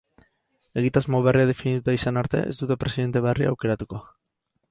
Egitasmo berria definituta izan arte, ez dute presidente berria aukeratuko.